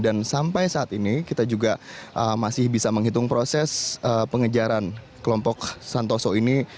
dan sampai saat ini kita juga masih bisa menghitung proses pengejaran kelompok santoso ini